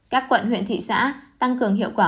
các quận huyện thị xã tăng cường hiệu quả